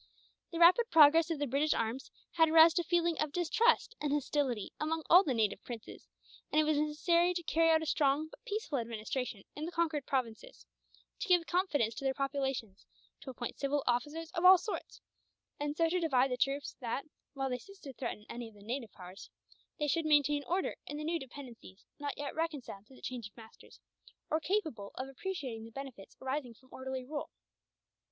The rapid progress of the British arms had aroused a feeling of distrust and hostility among all the native princes; and it was necessary to carry out a strong but peaceful administration in the conquered provinces, to give confidence to their populations, to appoint civil officers of all sorts; and so to divide the troops that, while they ceased to threaten any of the native powers, they should maintain order in the new dependencies not yet reconciled to the change of masters, or capable of appreciating the benefits arising from orderly rule.